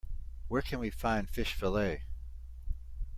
Where can we find fish fillet?